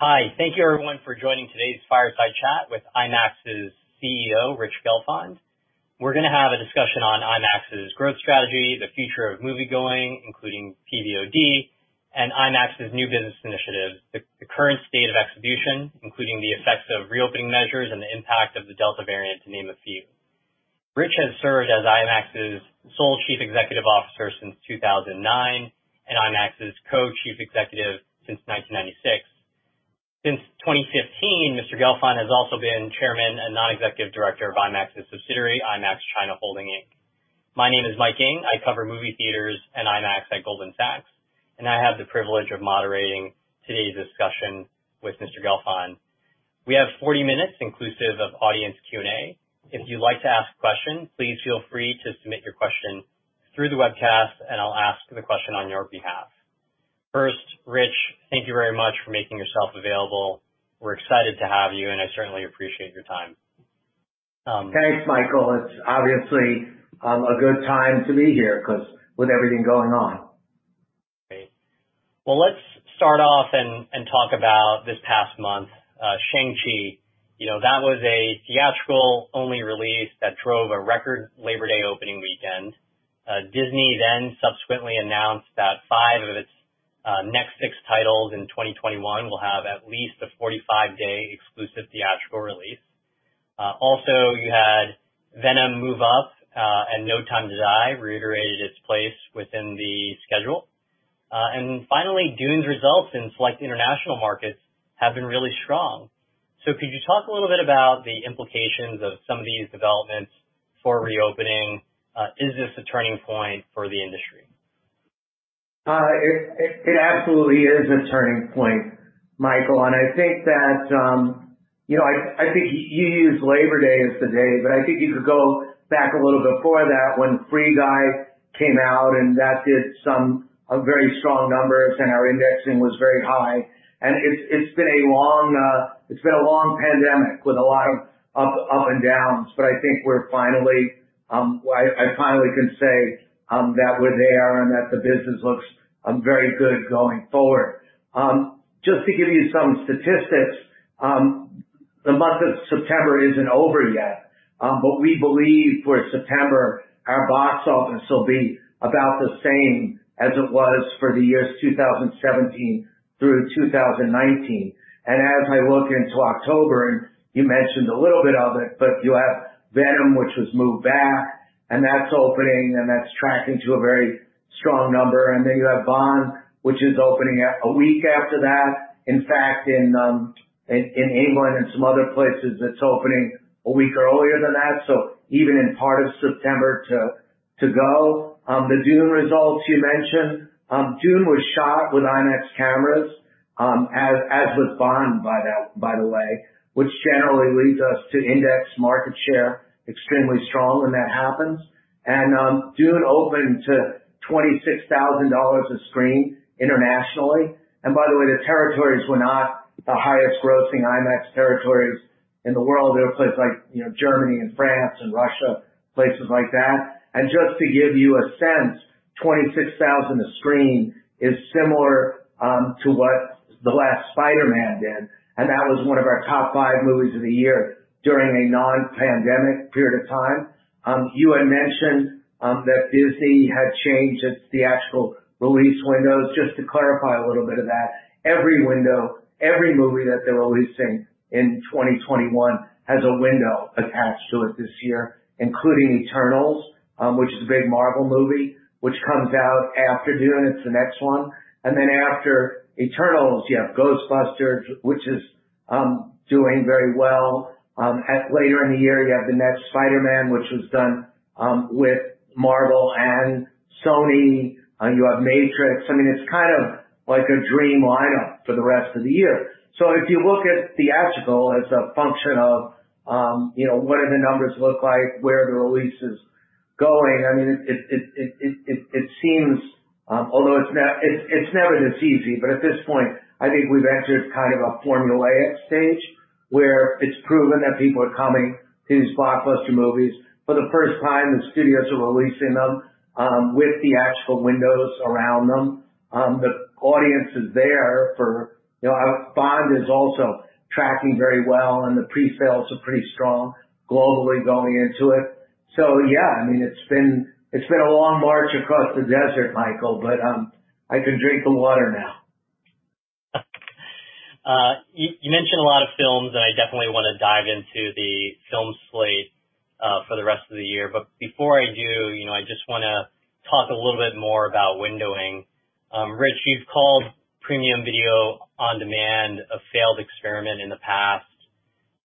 Hi, thank you everyone for joining today's fireside chat with IMAX's CEO, Richard Gelfond. We're going to have a discussion on IMAX's growth strategy, the future of moviegoing, including PVOD, and IMAX's new business initiatives, the current state of execution, including the effects of reopening measures and the impact of the Delta variant, to name a few. Rich has served as IMAX's sole Chief Executive Officer since 2009 and IMAX's Co-Chief Executive since 1996. Since 2015, Mr. Gelfond has also been Chairman and Non-Executive Director of IMAX's subsidiary, IMAX China Holding Inc. My name is Mike Ng. I cover movie theaters and IMAX at Goldman Sachs, and I have the privilege of moderating today's discussion with Mr. Gelfond. We have 40 minutes inclusive of audience Q&A. If you'd like to ask a question, please feel free to submit your question through the webcast, and I'll ask the question on your behalf. First, Rich, thank you very much for making yourself available. We're excited to have you, and I certainly appreciate your time. Thanks, Mike. It's obviously a good time to be here because with everything going on. Great. Well, let's start off and talk about this past month. Shang-Chi, that was a theatrical-only release that drove a record Labor Day opening weekend. Disney then subsequently announced that five of its next six titles in 2021 will have at least a 45-day exclusive theatrical release. Also, you had Venom moves up and No Time to Die reiterated its place within the schedule. And finally, Dune's results in select international markets have been really strong. So could you talk a little bit about the implications of some of these developments for reopening? Is this a turning point for the industry? It absolutely is a turning point, Michael, and I think that you used Labor Day as the day, but I think you could go back a little before that when Free Guy came out, and that did some very strong numbers, and our indexing was very high, and it's been a long pandemic with a lot of ups and downs, but I think we're finally, I finally can say that we're there and that the business looks very good going forward. Just to give you some statistics, the month of September isn't over yet, but we believe for September our box office will be about the same as it was for the years 2017 through 2019, and as I look into October, and you mentioned a little bit of it, but you have Venom, which was moved back, and that's opening, and that's tracking to a very strong number. And then you have Bond, which is opening a week after that. In fact, in England and some other places, it's opening a week earlier than that. So even in part of September to go. The Dune results you mentioned. Dune was shot with IMAX cameras, as was Bond, by the way, which generally leads us to index market share extremely strong when that happens. And Dune opened to $26,000 a screen internationally. And by the way, the territories were not the highest grossing IMAX territories in the world. They were places like Germany and France and Russia, places like that. And just to give you a sense, 26,000 a screen is similar to what the last Spider-Man did, and that was one of our top five movies of the year during a non-pandemic period of time. You had mentioned that Disney had changed its theatrical release windows. Just to clarify a little bit of that, every window, every movie that they're releasing in 2021 has a window attached to it this year, including Eternals, which is a big Marvel movie, which comes out after Dune, it's the next one, and then after Eternals, you have Ghostbusters, which is doing very well. Later in the year, you have the next Spider-Man, which was done with Marvel and Sony. You have Matrix. I mean, it's kind of like a dream lineup for the rest of the year, so if you look at theatrical as a function of what do the numbers look like, where are the releases going, I mean, it seems, although it's never this easy, but at this point, I think we've entered kind of a formulaic stage where it's proven that people are coming to these blockbuster movies. For the first time, the studios are releasing them with theatrical windows around them. The audience is there for Bond, is also tracking very well, and the pre-sales are pretty strong globally going into it. So yeah, I mean, it's been a long march across the desert, Michael, but I can drink the water now. You mentioned a lot of films, and I definitely want to dive into the film slate for the rest of the year. But before I do, I just want to talk a little bit more about windowing. Rich, you've called Premium Video On-Demand a failed experiment in the past.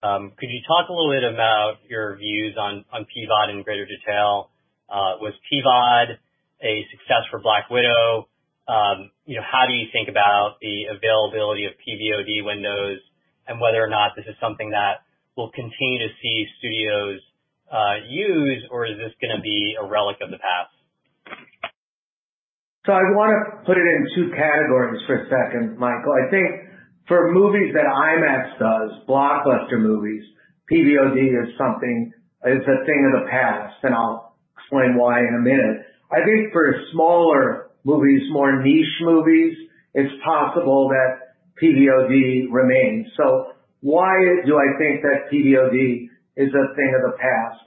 Could you talk a little bit about your views on PVOD in greater detail? Was PVOD a success for Black Widow? How do you think about the availability of PVOD windows and whether or not this is something that we'll continue to see studios use, or is this going to be a relic of the past? So I want to put it in two categories for a second, Michael. I think for movies that IMAX does, blockbuster movies, PVOD is something that's a thing of the past, and I'll explain why in a minute. I think for smaller movies, more niche movies, it's possible that PVOD remains. So why do I think that PVOD is a thing of the past?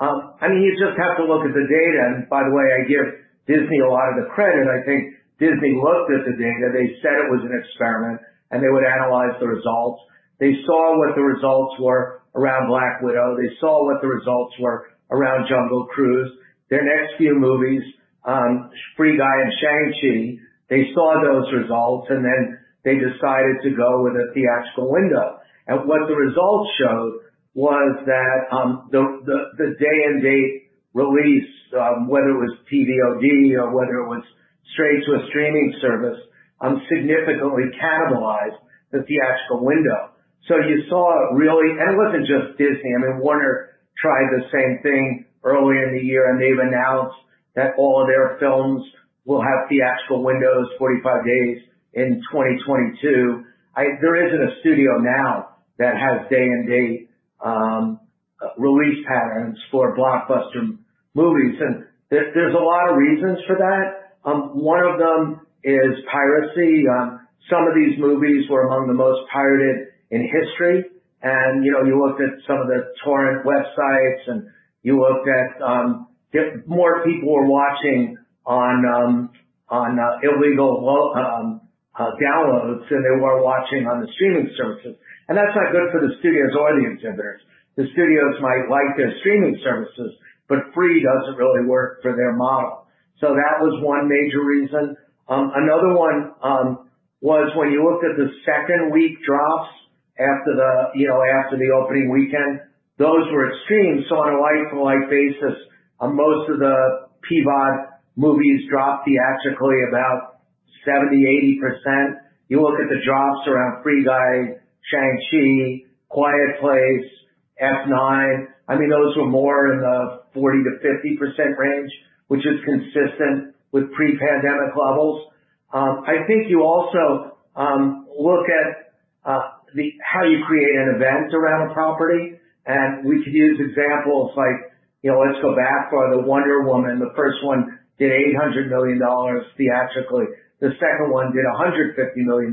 I mean, you just have to look at the data. And by the way, I give Disney a lot of the credit. I think Disney looked at the data. They said it was an experiment, and they would analyze the results. They saw what the results were around Black Widow. They saw what the results were around Jungle Cruise. Their next few movies, Free Guy and Shang-Chi, they saw those results, and then they decided to go with a theatrical window. What the results showed was that the day-and-date release, whether it was PVOD or whether it was straight to a streaming service, significantly cannibalized the theatrical window. You saw really and it wasn't just Disney. I mean, Warner tried the same thing earlier in the year, and they've announced that all of their films will have theatrical windows, 45 days, in 2022. There isn't a studio now that has day-and-date release patterns for blockbuster movies. There's a lot of reasons for that. One of them is piracy. Some of these movies were among the most pirated in history. You looked at some of the torrent websites, and you looked at more people were watching on illegal downloads, and they were watching on the streaming services. That's not good for the studios or the exhibitors. The studios might like their streaming services, but free doesn't really work for their model. So that was one major reason. Another one was when you looked at the second week drops after the opening weekend, those were extreme. So on a week-to-week basis, most of the PVOD movies dropped theatrically about 70%-80%. You look at the drops around Free Guy, Shang-Chi, Quiet Place, F9. I mean, those were more in the 40%-50% range, which is consistent with pre-pandemic levels. I think you also look at how you create an event around a property. And we could use examples like, let's go back for Wonder Woman. The first one did $800 million theatrically. The second one did $150 million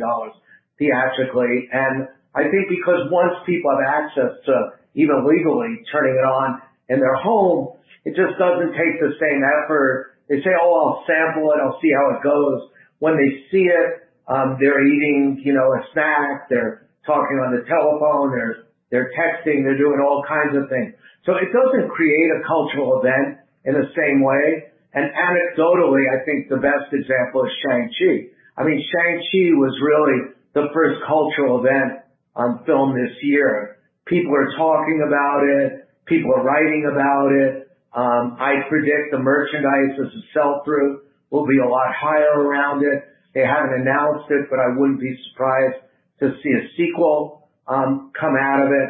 theatrically. And I think because once people have access to even legally turning it on in their home, it just doesn't take the same effort. They say, "Oh, I'll sample it. I'll see how it goes." When they see it, they're eating a snack. They're talking on the telephone. They're texting. They're doing all kinds of things. So it doesn't create a cultural event in the same way. And anecdotally, I think the best example is Shang-Chi. I mean, Shang-Chi was really the first cultural event on film this year. People are talking about it. People are writing about it. I predict the merchandise as a sell-through will be a lot higher around it. They haven't announced it, but I wouldn't be surprised to see a sequel come out of it.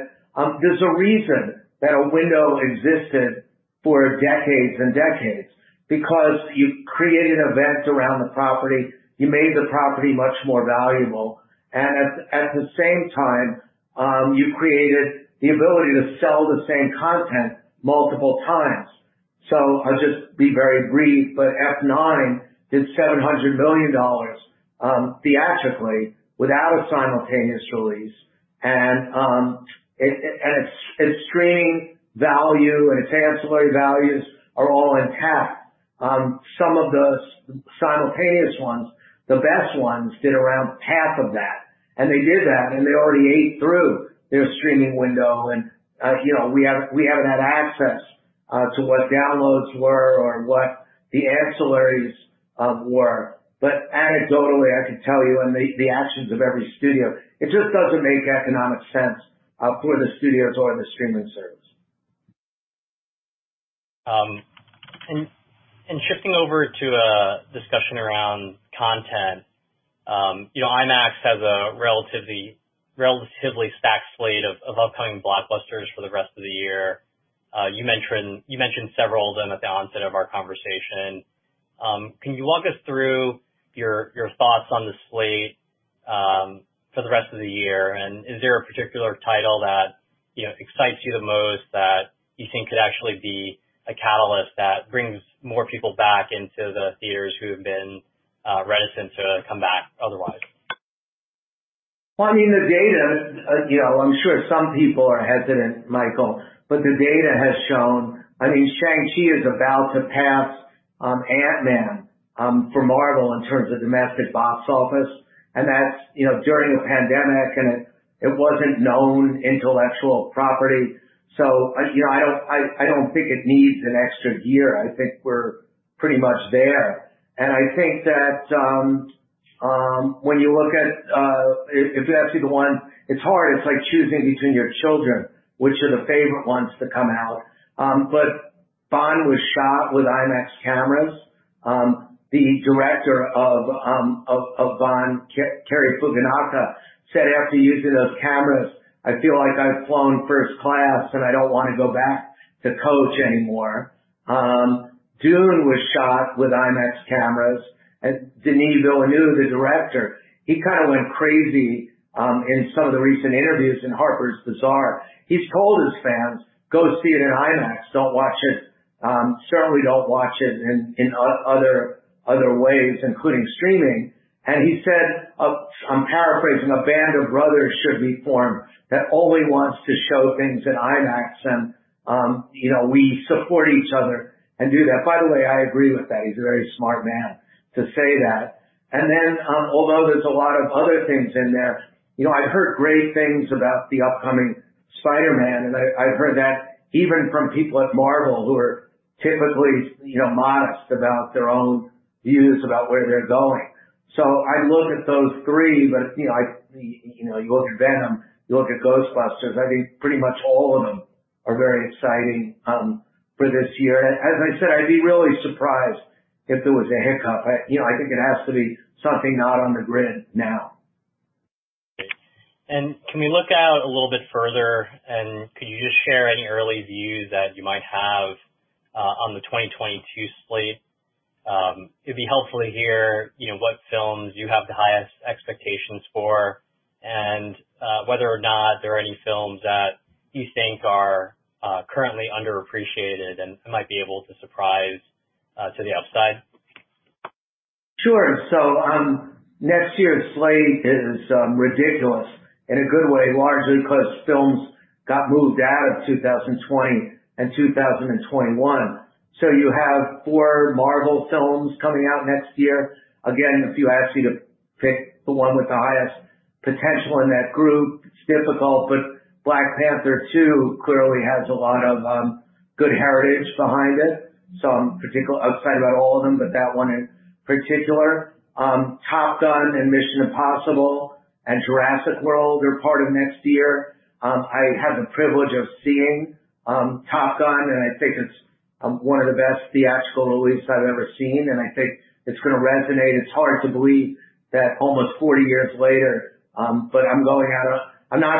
There's a reason that a window existed for decades and decades because you created events around the property. You made the property much more valuable. And at the same time, you created the ability to sell the same content multiple times. I'll just be very brief, but F9 did $700 million theatrically without a simultaneous release. Its streaming value and its ancillary values are all intact. Some of the simultaneous ones, the best ones, did around half of that. They did that, and they already ate through their streaming window. We haven't had access to what downloads were or what the ancillaries were. Anecdotally, I could tell you and the actions of every studio. It just doesn't make economic sense for the studios or the streaming service. Shifting over to a discussion around content, IMAX has a relatively stacked slate of upcoming blockbusters for the rest of the year. You mentioned several of them at the onset of our conversation. Can you walk us through your thoughts on the slate for the rest of the year? And is there a particular title that excites you the most that you think could actually be a catalyst that brings more people back into the theaters who have been reticent to come back otherwise? I mean, the data, I'm sure some people are hesitant, Michael, but the data has shown, I mean, Shang-Chi is about to pass Ant-Man for Marvel in terms of domestic box office. And that's during a pandemic, and it wasn't known intellectual property. So I don't think it needs an extra year. I think we're pretty much there. And I think that when you look at, if you ask me the one, it's hard. It's like choosing between your children, which are the favorite ones to come out. But Bond was shot with IMAX cameras. The director of Bond, Cary Joji Fukunaga, said, "After using those cameras, I feel like I've flown first class, and I don't want to go back to coach anymore." Dune was shot with IMAX cameras. And Denis Villeneuve, the director, he kind of went crazy in some of the recent interviews in Harper's Bazaar. He's told his fans, "Go see it in IMAX. Don't watch it. Certainly don't watch it in other ways, including streaming." And he said, "I'm paraphrasing, a band of brothers should be formed that only wants to show things in IMAX. And we support each other and do that." By the way, I agree with that. He's a very smart man to say that. And then, although there's a lot of other things in there, I've heard great things about the upcoming Spider-Man. And I've heard that even from people at Marvel who are typically modest about their own views about where they're going. So I'd look at those three, but you look at Venom. You look at Ghostbusters. I think pretty much all of them are very exciting for this year. As I said, I'd be really surprised if there was a hiccup. I think it has to be something not on the grid now. Can we look out a little bit further? Could you just share any early views that you might have on the 2022 slate? It'd be helpful to hear what films you have the highest expectations for and whether or not there are any films that you think are currently underappreciated and might be able to surprise to the outside. Sure. Next year's slate is ridiculous in a good way, largely because films got moved out of 2020 and 2021. You have four Marvel films coming out next year. Again, if you ask me to pick the one with the highest potential in that group, it's difficult. But Black Panther 2 clearly has a lot of good heritage behind it. I'm particularly upset about all of them, but that one in particular. Top Gun and Mission: Impossible and Jurassic World are part of next year. I have the privilege of seeing Top Gun, and I think it's one of the best theatrical releases I've ever seen. I think it's going to resonate. It's hard to believe that almost 40 years later, but I'm not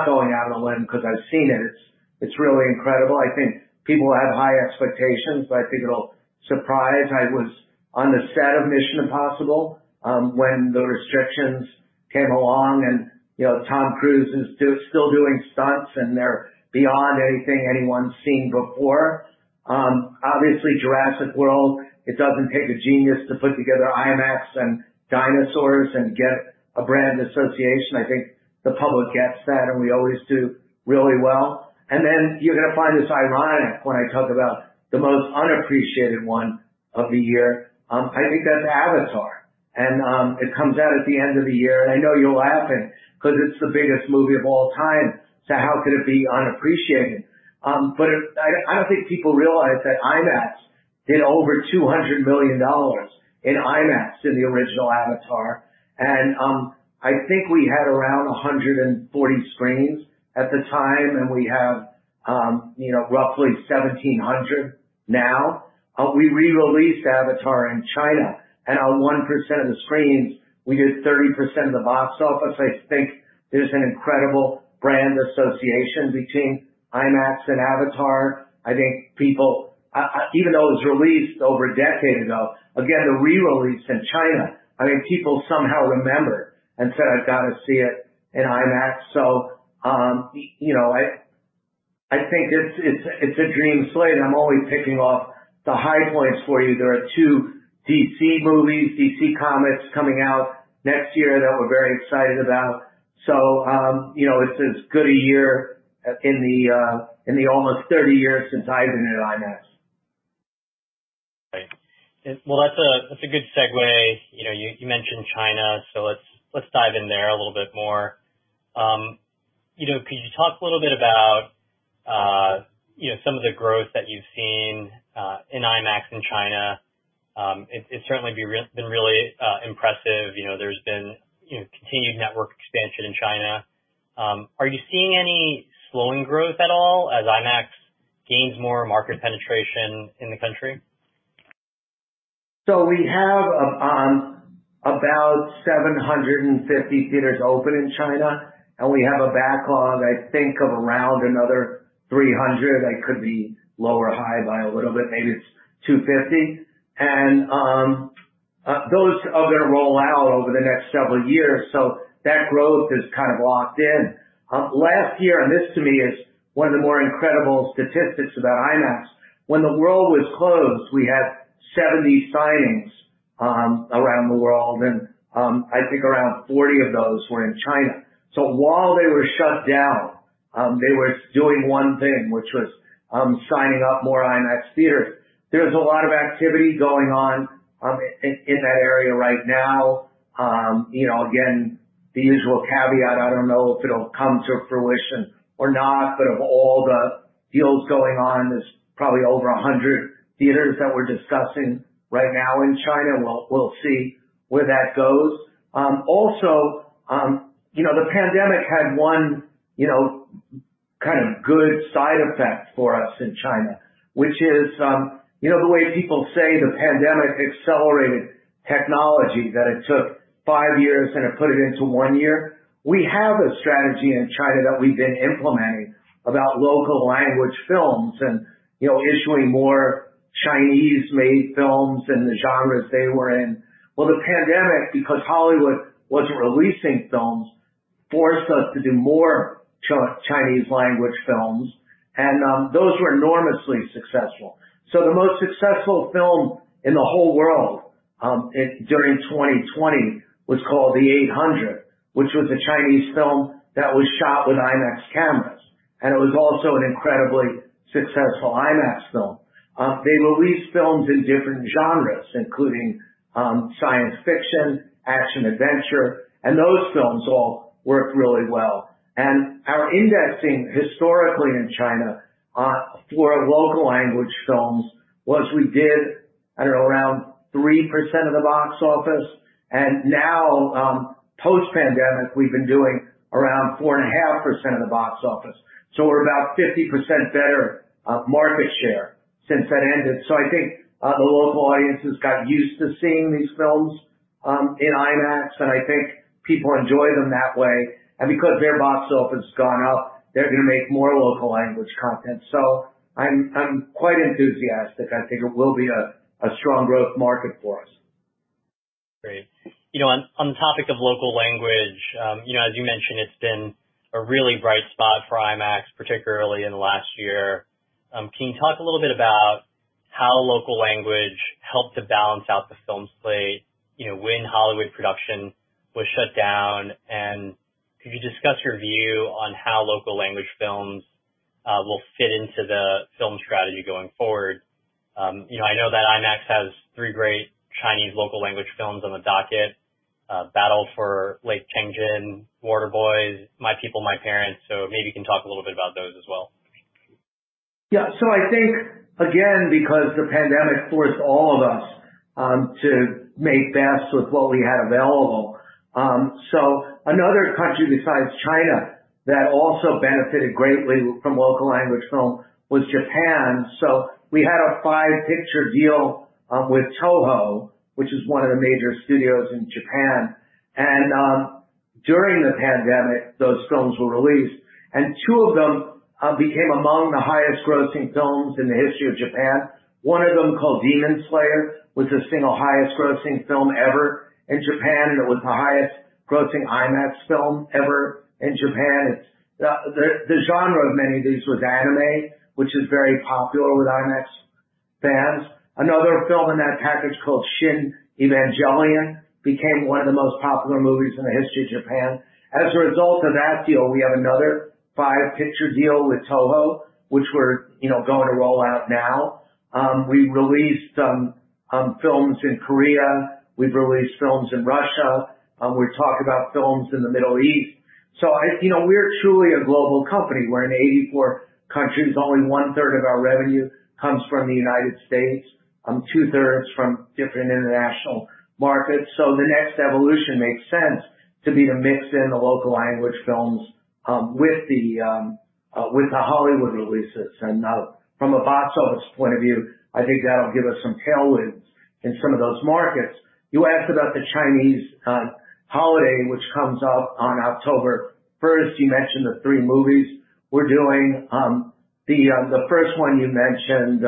going out of the window because I've seen it. It's really incredible. I think people have high expectations, but I think it'll surprise. I was on the set of Mission: Impossible when the restrictions came along, and Tom Cruise is still doing stunts, and they're beyond anything anyone's seen before. Obviously, Jurassic World, it doesn't take a genius to put together IMAX and dinosaurs and get a brand association. I think the public gets that, and we always do really well, and then you're going to find this ironic when I talk about the most unappreciated one of the year. I think that's Avatar, and it comes out at the end of the year. I know you'll laugh because it's the biggest movie of all time. So how could it be unappreciated? I don't think people realize that IMAX did over $200 million in IMAX in the original Avatar. I think we had around 140 screens at the time, and we have roughly 1,700 now. We re-released Avatar in China, and on 1% of the screens, we did 30% of the box office. I think there's an incredible brand association between IMAX and Avatar. I think people, even though it was released over a decade ago, again, the re-release in China, I think people somehow remembered and said, "I've got to see it in IMAX." I think it's a dream slate. I'm always picking off the high points for you. There are two DC movies, DC Comics coming out next year that we're very excited about. It's as good a year in the almost 30 years since I've been in IMAX. Right. Well, that's a good segue. You mentioned China, so let's dive in there a little bit more. Could you talk a little bit about some of the growth that you've seen in IMAX in China? It's certainly been really impressive. There's been continued network expansion in China. Are you seeing any slowing growth at all as IMAX gains more market penetration in the country? We have about 750 theaters open in China, and we have a backlog, I think, of around another 300. It could be low or high by a little bit. Maybe it's 250. Those are going to roll out over the next several years. That growth is kind of locked in. Last year, and this to me is one of the more incredible statistics about IMAX, when the world was closed, we had 70 signings around the world, and I think around 40 of those were in China. While they were shut down, they were doing one thing, which was signing up more IMAX theaters. There's a lot of activity going on in that area right now. Again, the usual caveat, I don't know if it'll come to fruition or not, but of all the deals going on, there's probably over 100 theaters that we're discussing right now in China. We'll see where that goes. Also, the pandemic had one kind of good side effect for us in China, which is the way people say the pandemic accelerated technology, that it took five years and it put it into one year. We have a strategy in China that we've been implementing about local language films and issuing more Chinese-made films in the genres they were in. The pandemic, because Hollywood wasn't releasing films, forced us to do more Chinese-language films. Those were enormously successful. The most successful film in the whole world during 2020 was called The Eight Hundred, which was a Chinese film that was shot with IMAX cameras. It was also an incredibly successful IMAX film. They released films in different genres, including science fiction, action-adventure. Those films all worked really well. Our indexing historically in China for local language films was we did at around 3% of the box office. Now, post-pandemic, we've been doing around 4.5% of the box office. We're about 50% better market share since that ended. I think the local audiences got used to seeing these films in IMAX, and I think people enjoy them that way. Because their box office has gone up, they're going to make more local language content. I'm quite enthusiastic. I think it will be a strong growth market for us. Great. On the topic of local language, as you mentioned, it's been a really bright spot for IMAX, particularly in the last year. Can you talk a little bit about how local language helped to balance out the film slate when Hollywood production was shut down? And could you discuss your view on how local language films will fit into the film strategy going forward? I know that IMAX has three great Chinese local language films on the docket: The Battle at Lake Changjin, Water Boys, My Country, My Parents. So maybe you can talk a little bit about those as well. Yeah. So I think, again, because the pandemic forced all of us to make the best with what we had available. So another country besides China that also benefited greatly from local language film was Japan. So we had a five-picture deal with Toho, which is one of the major studios in Japan. And during the pandemic, those films were released. And two of them became among the highest-grossing films in the history of Japan. One of them, called Demon Slayer, was the single highest-grossing film ever in Japan, and it was the highest-grossing IMAX film ever in Japan. The genre of many of these was anime, which is very popular with IMAX fans. Another film in that package, called Shin Evangelion, became one of the most popular movies in the history of Japan. As a result of that deal, we have another five-picture deal with Toho, which we're going to roll out now. We released films in Korea. We've released films in Russia. We're talking about films in the Middle East. So we're truly a global company. We're in 84 countries. Only one-third of our revenue comes from the United States, two-thirds from different international markets. So the next evolution makes sense to be to mix in the local language films with the Hollywood releases. And from a box office point of view, I think that'll give us some tailwinds in some of those markets. You asked about the Chinese holiday, which comes up on October 1st. You mentioned the three movies we're doing. The first one you mentioned,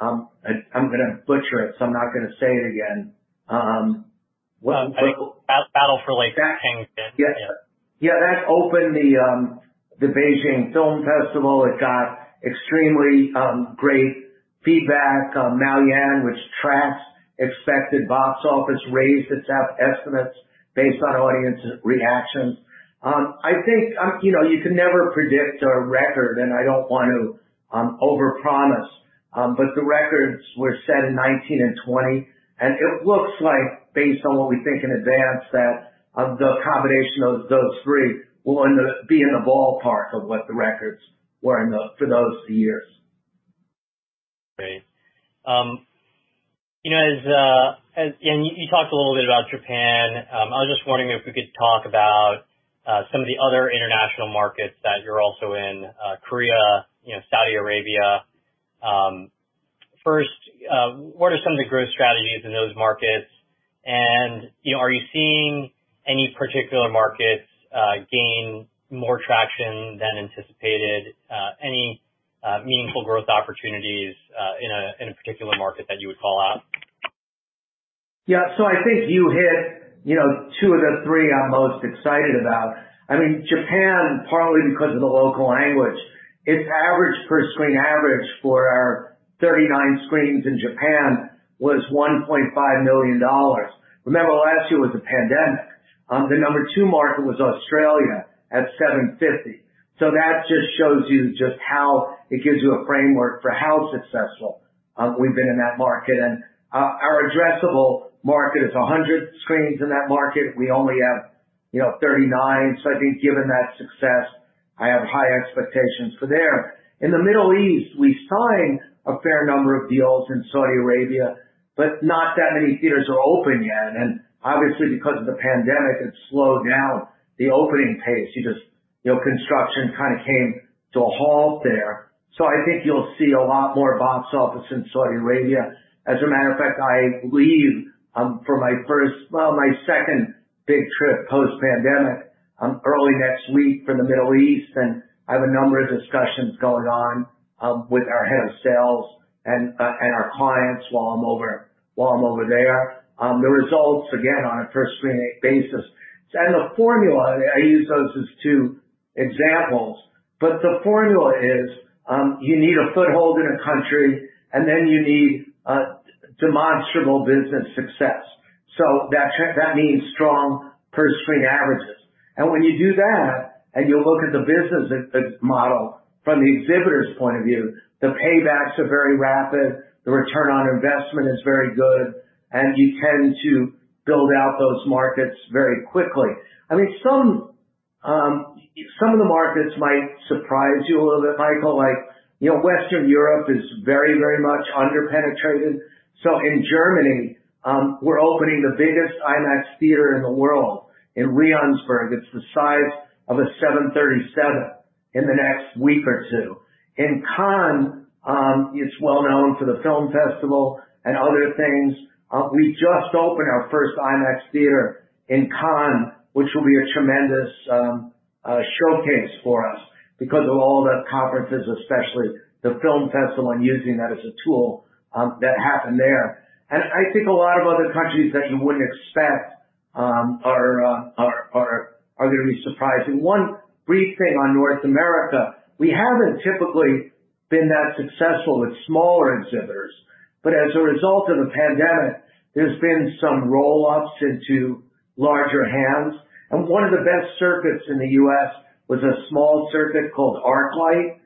I'm going to butcher it, so I'm not going to say it again. Battle for Lake Chang'an. Yeah. Yeah. That opened the Beijing Film Festival. It got extremely great feedback. Maoyan, which tracks expected box office, raised its estimates based on audience reactions. I think you can never predict a record, and I don't want to overpromise, but the records were set in 2019 and 2020, and it looks like, based on what we think in advance, that the combination of those three will be in the ballpark of what the records were for those years. Great. And you talked a little bit about Japan. I was just wondering if we could talk about some of the other international markets that you're also in: Korea, Saudi Arabia. First, what are some of the growth strategies in those markets? And are you seeing any particular markets gain more traction than anticipated? Any meaningful growth opportunities in a particular market that you would call out? Yeah. So I think you hit two of the three I'm most excited about. I mean, Japan, partly because of the local language, its average per-screen average for our 39 screens in Japan was $1.5 million. Remember, last year was a pandemic. The number two market was Australia at $750,000. So that just shows you just how it gives you a framework for how successful we've been in that market. And our addressable market is 100 screens in that market. We only have 39. So I think given that success, I have high expectations for there. In the Middle East, we signed a fair number of deals in Saudi Arabia, but not that many theaters are open yet. And obviously, because of the pandemic, it slowed down the opening pace. Construction kind of came to a halt there. I think you'll see a lot more box office in Saudi Arabia. As a matter of fact, I leave for my first, well, my second big trip post-pandemic early next week for the Middle East. I have a number of discussions going on with our head of sales and our clients while I'm over there. The results, again, on a per-screen basis. The formula, I use those as two examples, but the formula is you need a foothold in a country, and then you need demonstrable business success. That means strong per-screen averages. When you do that and you look at the business model from the exhibitor's point of view, the paybacks are very rapid. The return on investment is very good, and you tend to build out those markets very quickly. I mean, some of the markets might surprise you a little bit, Michael. Western Europe is very, very much underpenetrated. So in Germany, we're opening the biggest IMAX theater in the world in Leonberg. It's the size of a 737 in the next week or two. In Cannes, it's well known for the film festival and other things. We just opened our first IMAX theater in Cannes, which will be a tremendous showcase for us because of all the conferences, especially the film festival and using that as a tool that happened there. And I think a lot of other countries that you wouldn't expect are going to be surprising. One brief thing on North America, we haven't typically been that successful with smaller exhibitors. But as a result of the pandemic, there's been some roll-ups into larger hands. And one of the best circuits in the U.S. was a small circuit called ArcLight,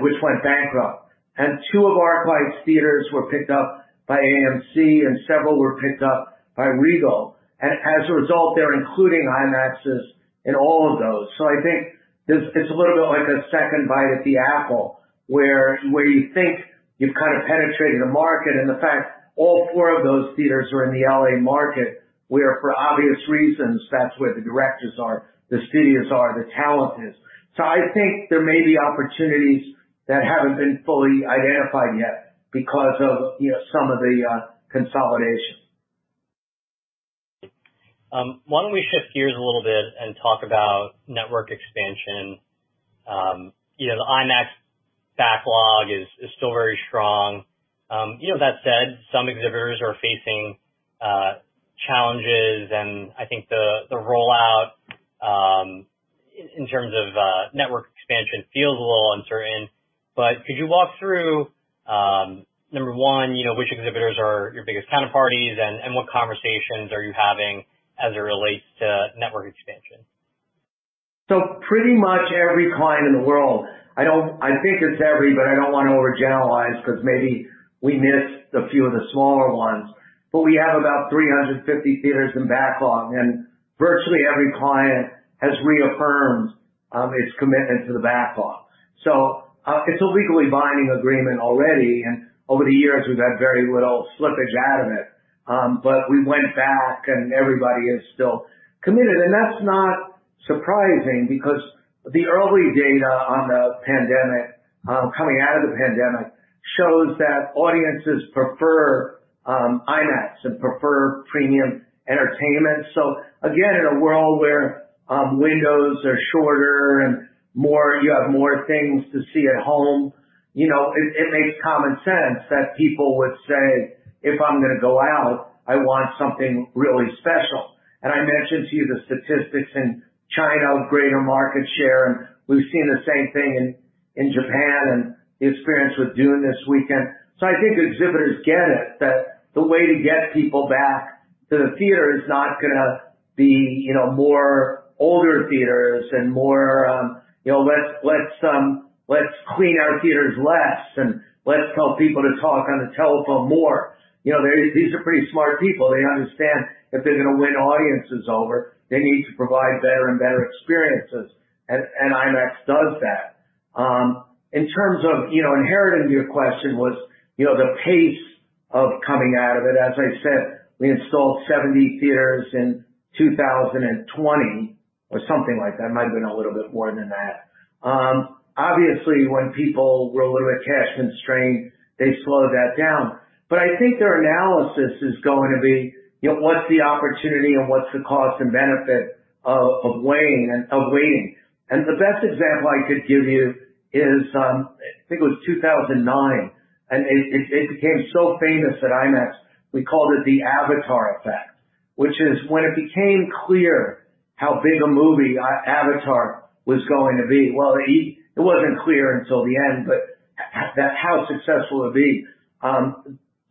which went bankrupt. And two of ArcLight's theaters were picked up by AMC, and several were picked up by Regal. And as a result, they're including IMAXs in all of those. So I think it's a little bit like a second bite at the apple where you think you've kind of penetrated the market. And in fact, all four of those theaters are in the LA market, where for obvious reasons, that's where the directors are, the studios are, the talent is. So I think there may be opportunities that haven't been fully identified yet because of some of the consolidation. Why don't we shift gears a little bit and talk about network expansion? The IMAX backlog is still very strong. That said, some exhibitors are facing challenges. And I think the rollout in terms of network expansion feels a little uncertain. But could you walk through, number one, which exhibitors are your biggest counterparties, and what conversations are you having as it relates to network expansion? Pretty much every client in the world. I think it's every, but I don't want to overgeneralize because maybe we missed a few of the smaller ones. But we have about 350 theaters in backlog. And virtually every client has reaffirmed its commitment to the backlog. So it's a legally binding agreement already. And over the years, we've had very little slippage out of it. But we went back, and everybody is still committed. And that's not surprising because the early data on the pandemic coming out of the pandemic shows that audiences prefer IMAX and prefer premium entertainment. So again, in a world where windows are shorter and you have more things to see at home, it makes common sense that people would say, "If I'm going to go out, I want something really special." And I mentioned to you the statistics in China of greater market share. And we've seen the same thing in Japan and the experience with Dune this weekend. So I think exhibitors get it that the way to get people back to the theater is not going to be more older theaters and more, "Let's clean our theaters less, and let's tell people to talk on the telephone more." These are pretty smart people. They understand if they're going to win audiences over, they need to provide better and better experiences. And IMAX does that. In terms of answering your question was the pace of coming out of it. As I said, we installed 70 theaters in 2020 or something like that. It might have been a little bit more than that. Obviously, when people were a little bit cash-constrained, they slowed that down. But I think their analysis is going to be, "What's the opportunity and what's the cost and benefit of waiting?" And the best example I could give you is, I think it was 2009, and it became so famous at IMAX, we called it the Avatar Effect, which is when it became clear how big a movie Avatar was going to be. Well, it wasn't clear until the end, but how successful it would be.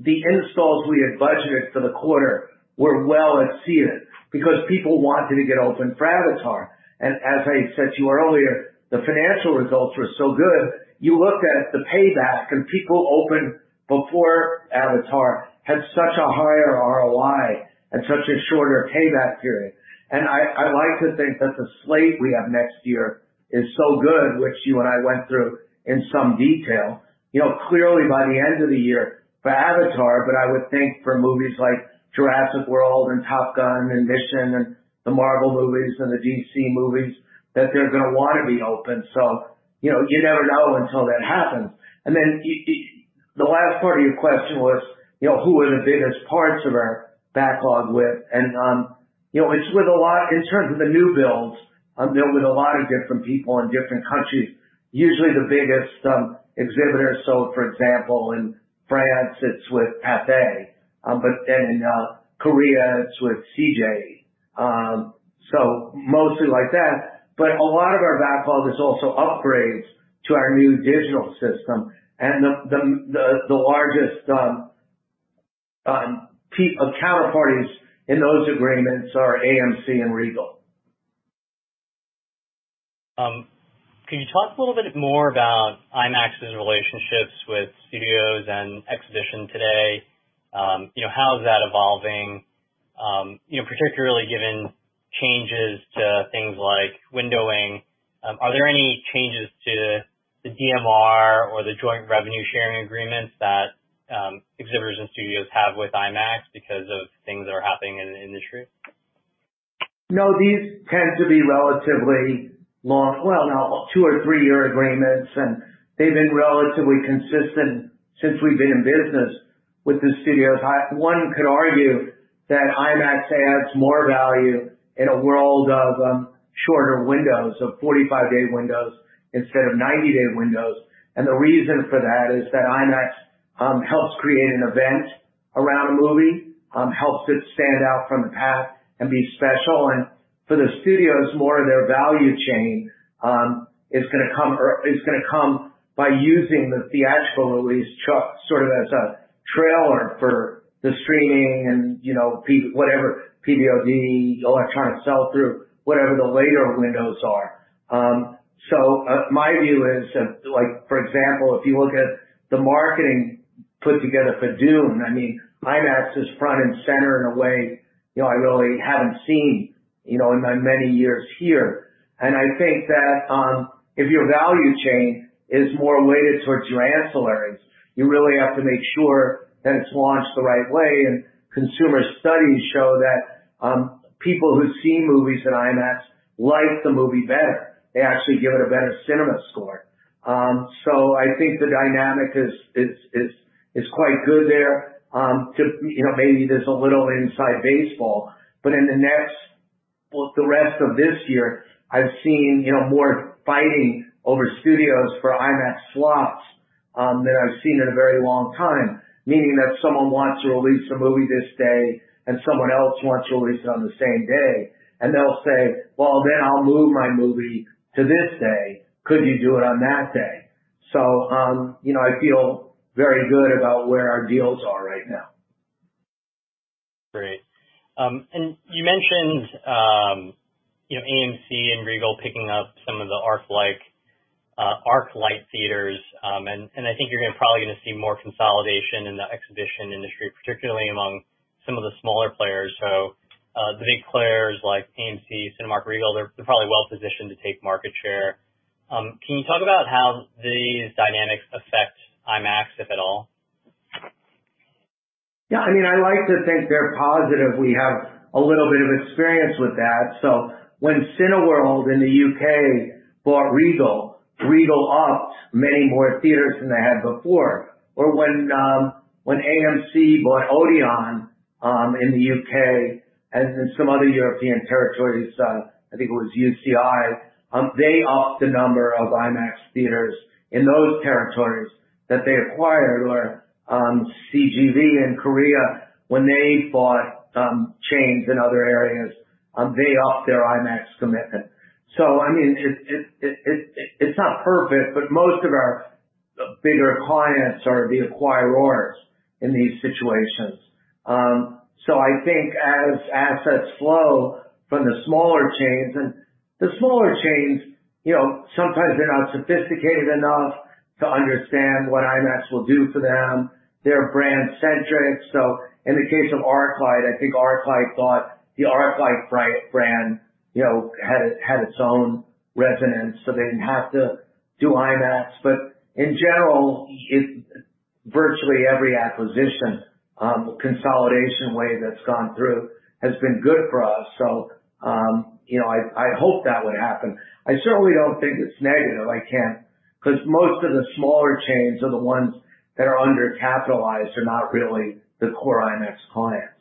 The installs we had budgeted for the quarter were well exceeded because people wanted to get open for Avatar. And as I said to you earlier, the financial results were so good. You looked at the payback, and people opened before Avatar had such a higher ROI and such a shorter payback period. And I like to think that the slate we have next year is so good, which you and I went through in some detail. Clearly, by the end of the year for Avatar, but I would think for movies like Jurassic World and Top Gun and Mission and the Marvel movies and the DC movies that they're going to want to be open. So you never know until that happens. And then the last part of your question was, "Who are the biggest parts of our backlog with?" And it's with a lot in terms of the new builds. I'm dealing with a lot of different people in different countries. Usually, the biggest exhibitor, so for example, in France, it's with Pathé. But then in Korea, it's with CJ. So mostly like that. But a lot of our backlog is also upgrades to our new digital system. The largest counterparties in those agreements are AMC and Regal. Can you talk a little bit more about IMAX's relationships with studios and exhibitors today? How is that evolving, particularly given changes to things like windowing? Are there any changes to the DMR or the joint revenue sharing agreements that exhibitors and studios have with IMAX because of things that are happening in the industry? No, these tend to be relatively long, well, now two or three-year agreements. And they've been relatively consistent since we've been in business with the studios. One could argue that IMAX adds more value in a world of shorter windows, of 45-day windows instead of 90-day windows. And the reason for that is that IMAX helps create an event around a movie, helps it stand out from the pack and be special. And for the studios, more of their value chain is going to come by using the theatrical release sort of as a trailer for the streaming and whatever, PVOD, electronic sell-through, whatever the later windows are. So my view is, for example, if you look at the marketing put together for Dune, I mean, IMAX is front and center in a way I really haven't seen in my many years here. I think that if your value chain is more weighted towards your ancillaries, you really have to make sure that it's launched the right way. Consumer studies show that people who see movies at IMAX like the movie better. They actually give it a better CinemaScore. I think the dynamic is quite good there. Maybe there's a little inside baseball. In the next, well, the rest of this year, I've seen more fighting over studios for IMAX slots than I've seen in a very long time, meaning that someone wants to release a movie this day, and someone else wants to release it on the same day. They'll say, "Well, then I'll move my movie to this day. Could you do it on that day?" I feel very good about where our deals are right now. Great, and you mentioned AMC and Regal picking up some of the ArcLight theaters. And I think you're probably going to see more consolidation in the exhibition industry, particularly among some of the smaller players. So the big players like AMC, Cinemark, Regal, they're probably well-positioned to take market share. Can you talk about how these dynamics affect IMAX, if at all? Yeah. I mean, I like to think they're positive. We have a little bit of experience with that. So when Cineworld in the U.K. bought Regal, Regal upped many more theaters than they had before. Or when AMC bought Odeon in the U.K. and then some other European territories, I think it was UCI, they upped the number of IMAX theaters in those territories that they acquired. Or CGV in Korea, when they bought chains in other areas, they upped their IMAX commitment. So I mean, it's not perfect, but most of our bigger clients are the acquirers in these situations. So I think as assets flow from the smaller chains and the smaller chains, sometimes they're not sophisticated enough to understand what IMAX will do for them. They're brand-centric. So in the case of ArcLight, I think ArcLight thought the ArcLight brand had its own resonance, so they didn't have to do IMAX. But in general, virtually every acquisition, consolidation wave that's gone through has been good for us. So I hope that would happen. I certainly don't think it's negative. I can't because most of the smaller chains are the ones that are undercapitalized, are not really the core IMAX clients.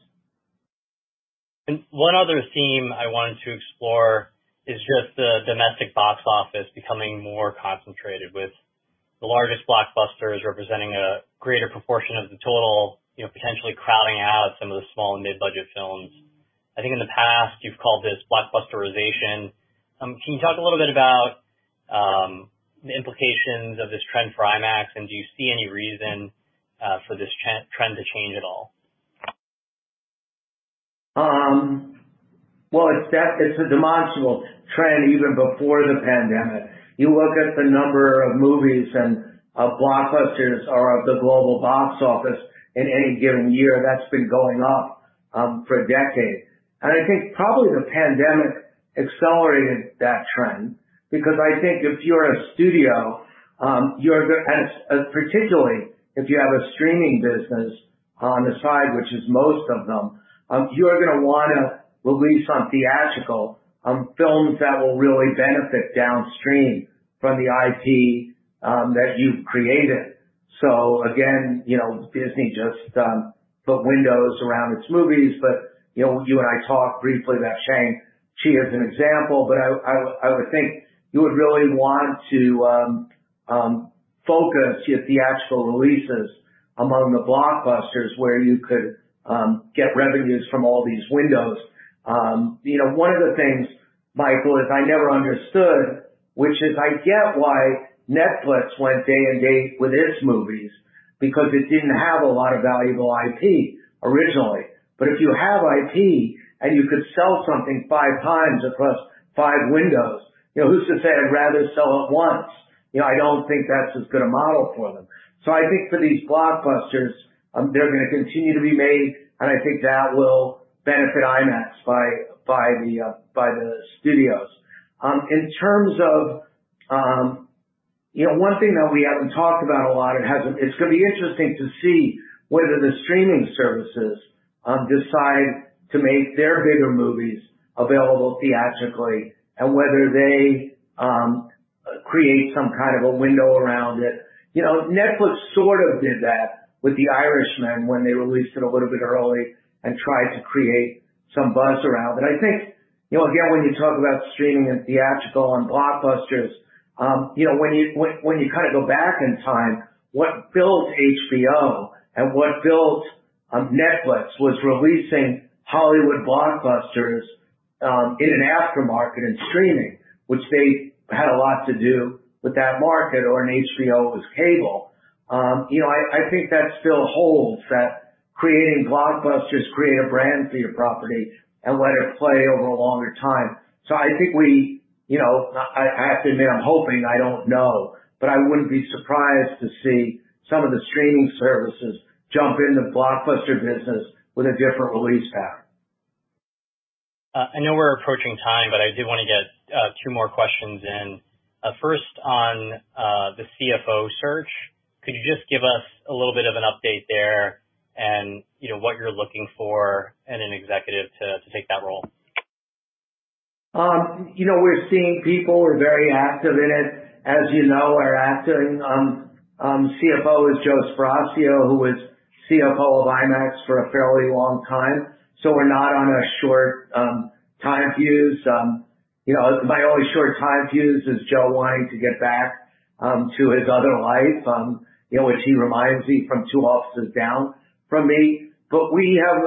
And one other theme I wanted to explore is just the domestic box office becoming more concentrated with the largest blockbusters representing a greater proportion of the total, potentially crowding out some of the small and mid-budget films. I think in the past, you've called this blockbusterization. Can you talk a little bit about the implications of this trend for IMAX, and do you see any reason for this trend to change at all? It's a demonstrable trend even before the pandemic. You look at the number of movies and blockbusters or of the global box office in any given year, that's been going up for a decade. I think probably the pandemic accelerated that trend because I think if you're a studio, particularly if you have a streaming business on the side, which is most of them, you're going to want to release on theatrical films that will really benefit downstream from the IP that you've created. Again, Disney just put windows around its movies. You and I talked briefly about Shang-Chi as an example. I would think you would really want to focus your theatrical releases among the blockbusters where you could get revenues from all these windows. One of the things, Michael, is I never understood, which is I get why Netflix went day-and-date with its movies because it didn't have a lot of valuable IP originally, but if you have IP and you could sell something five times across five windows, who's to say I'd rather sell it once? I don't think that's as good a model for them, so I think for these blockbusters, they're going to continue to be made, and I think that will benefit IMAX by the studios. In terms of one thing that we haven't talked about a lot, it's going to be interesting to see whether the streaming services decide to make their bigger movies available theatrically and whether they create some kind of a window around it. Netflix sort of did that with The Irishman when they released it a little bit early and tried to create some buzz around it. I think, again, when you talk about streaming and theatrical and blockbusters, when you kind of go back in time, what built HBO and what built Netflix was releasing Hollywood blockbusters in an aftermarket and streaming, which they had a lot to do with that market or in HBO was cable. I think that still holds that creating blockbusters create a brand for your property and let it play over a longer time. So I think I have to admit, I'm hoping. I don't know. But I wouldn't be surprised to see some of the streaming services jump into the blockbuster business with a different release pattern. I know we're approaching time, but I did want to get two more questions in. First, on the CFO search, could you just give us a little bit of an update there and what you're looking for in an executive to take that role? We're seeing people who are very active in it, as you know. Acting CFO is Joe Sparacio, who was CFO of IMAX for a fairly long time. So we're not on a short time fuse. My only short time fuse is Joe wanting to get back to his other life, which he reminds me from two offices down from me. But we have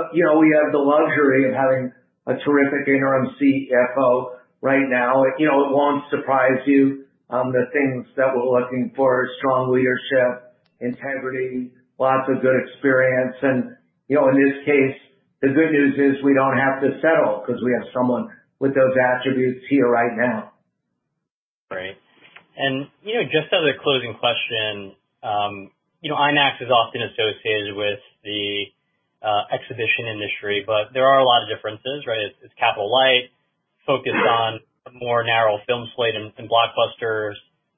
the luxury of having a terrific Interim CFO right now. It won't surprise you. The things that we're looking for are strong leadership, integrity, lots of good experience. And in this case, the good news is we don't have to settle because we have someone with those attributes here right now. Great. And just as a closing question, IMAX is often associated with the exhibition industry, but there are a lot of differences, right? It's capital light, focused on a more narrow film slate and blockbusters,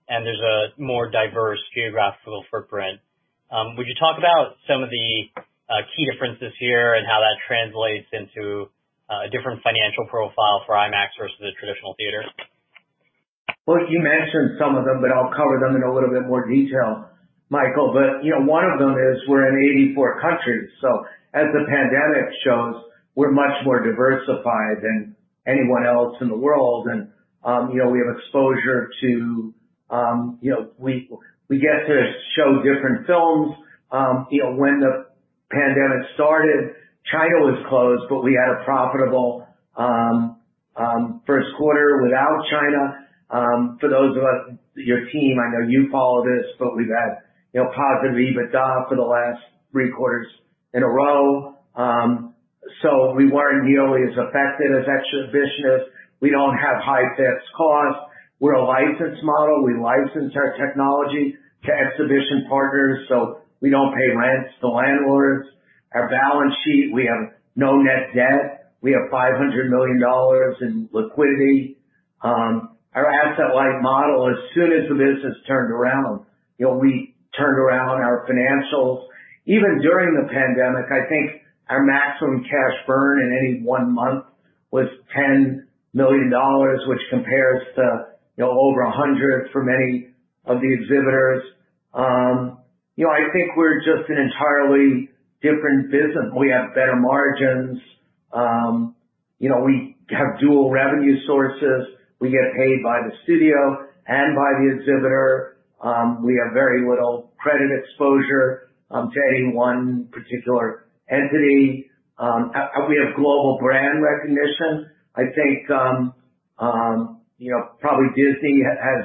and there's a more diverse geographical footprint. Would you talk about some of the key differences here and how that translates into a different financial profile for IMAX versus the traditional theaters? You mentioned some of them, but I'll cover them in a little bit more detail, Michael. One of them is we're in 84 countries. As the pandemic shows, we're much more diversified than anyone else in the world. We have exposure. We get to show different films. When the pandemic started, China was closed, but we had a profitable first quarter without China. For those of your team, I know you follow this, but we've had positive EBITDA for the last three quarters in a row. We weren't nearly as affected as exhibitors. We don't have high fixed costs. We're a licensed model. We license our technology to exhibitor partners. We don't pay rents to landlords. Our balance sheet. We have no net debt. We have $500 million in liquidity. Our asset-light model, as soon as the business turned around, we turned around our financials. Even during the pandemic, I think our maximum cash burn in any one month was $10 million, which compares to over $100 million for many of the exhibitors. I think we're just an entirely different business. We have better margins. We have dual revenue sources. We get paid by the studio and by the exhibitor. We have very little credit exposure to any one particular entity. We have global brand recognition. I think probably Disney has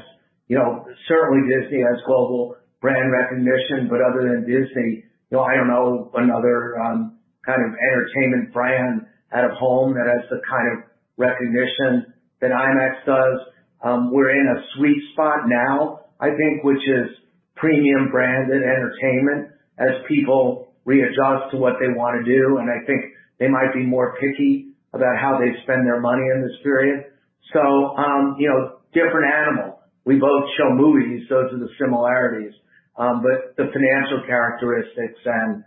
certainly Disney has global brand recognition. But other than Disney, I don't know another kind of entertainment brand out of home that has the kind of recognition that IMAX does. We're in a sweet spot now, I think, which is premium branded entertainment as people readjust to what they want to do. And I think they might be more picky about how they spend their money in this period. So different animal. We both show movies. Those are the similarities. But the financial characteristics and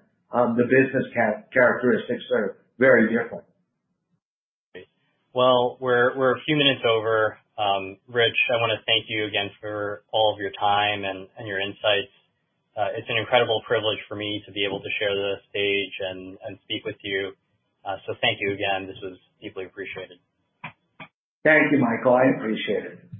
the business characteristics are very different. Great. Well, we're a few minutes over. Rich, I want to thank you again for all of your time and your insights. It's an incredible privilege for me to be able to share the stage and speak with you. So thank you again. This was deeply appreciated. Thank you, Michael. I appreciate it.